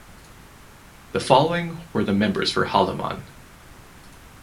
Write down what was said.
The following were the members for Haldimand.